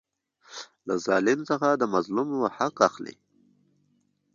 له ظالم څخه د مظلوم حق اخلي.